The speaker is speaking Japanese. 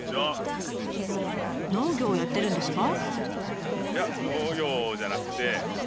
農業をやってるんですか？